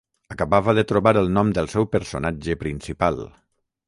Acabava de trobar el nom del seu personatge principal.